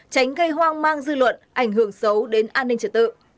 tránh gây hoang mang dư luận ảnh hưởng xấu đến an ninh trật tự